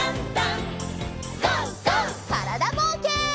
からだぼうけん。